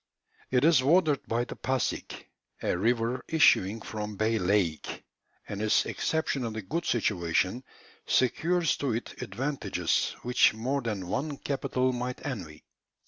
It is watered by the Passig, a river issuing from Bay Lake, and its exceptionally good situation secures to it advantages which more than one capital might envy.